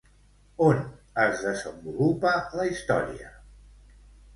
On es desenvolupa la història?